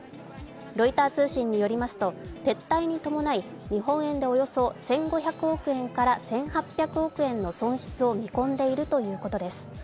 ロイター通信によりますと撤退に伴い日本円でおよそ１５００億円から１８００億円の損失を見込んでいるということです。